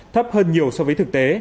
thấp hơn nhiều so với thực tế